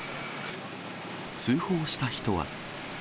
通報した人は。